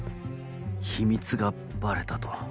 秘密がバレたと。